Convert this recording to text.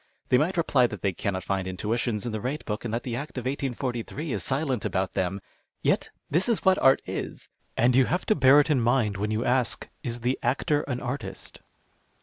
They might reply that they cannot find intuitions in the rate book, and that the Act of ISJ'S is silent about them. Yet this is what art is, and you have to bear it in mind when you ask, " Is the actor an artist